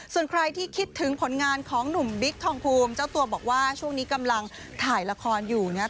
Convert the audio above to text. ส่วนใครที่คิดถึงผลงานของหนุ่มบิ๊กทองภูมิเจ้าตัวบอกว่าช่วงนี้กำลังถ่ายละครอยู่นะครับ